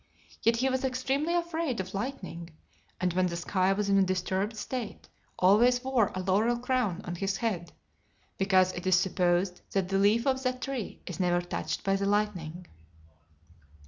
Yet he was extremely afraid of lightning, and when the sky was in a disturbed state, always wore a laurel crown on his head; because it is supposed that the leaf of that tree is never touched by the lightning.